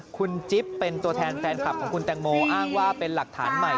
คุณจิ๊บเป็นตัวแทนแฟนคลับของคุณแตงโมอ้างว่าเป็นหลักฐานใหม่